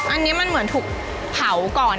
อันนี้มันเหมือนถูกเผาก่อน